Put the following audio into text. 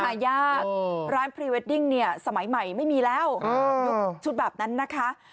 หายากร้านพรีเวดดิ้งเนี่ยสมัยใหม่ไม่มีแล้วยุคชุดแบบนั้นนะคะ